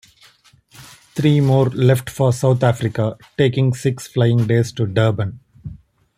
Three more left for South Africa, taking six flying days to Durban.